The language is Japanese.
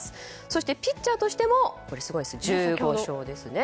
そして、ピッチャーとしてもすごいです、１５勝ですね。